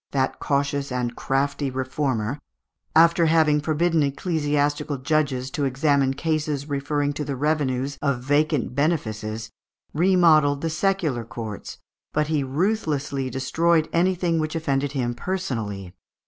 that cautious and crafty reformer, after having forbidden ecclesiastical judges to examine cases referring to the revenues of vacant benefices, remodelled the secular courts, but he ruthlessly destroyed anything which offended him personally.